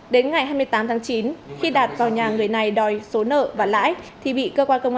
đến ngày hai mươi tám tháng chín khi đạt vào nhà người này đòi số nợ và lãi thì bị cơ quan công an bắt quả tăng